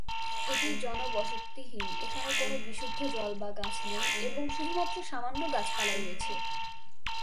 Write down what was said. এটি জনবসতিহীন, এখানে কোন বিশুদ্ধ জল বা গাছ নেই এবং শুধুমাত্র সামান্য গাছপালা রয়েছে।